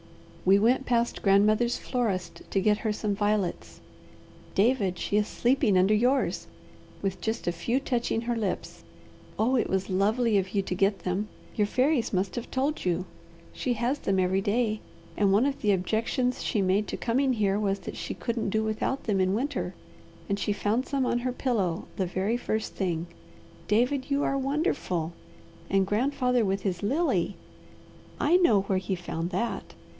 We went past grandmother's florist to get her some violets David, she is sleeping under yours, with just a few touching her lips. Oh it was lovely of you to get them; your fairies must have told you! She has them every day, and one of the objections she made to coming here was that she couldn't do without them in winter, and she found some on her pillow the very first thing. David, you are wonderful! And grandfather with his lily! I know where he found that!